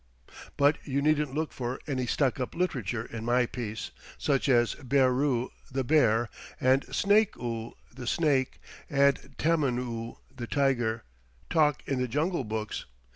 But you needn't look for any stuck up literature in my piece, such as Bearoo, the bear, and Snakoo, the snake, and Tammanoo, the tiger, talk in the jungle books.